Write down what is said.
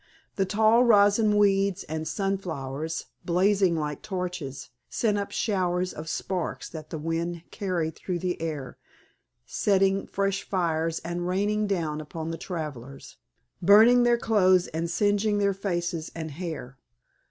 The tall rosin weeds and sunflowers, blazing like torches, sent up showers of sparks that the wind carried through the air, setting fresh fires and raining down upon the travelers, burning their clothes and singeing their faces and hair.